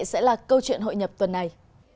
sẽ là câu chuyện hội nhập tuần này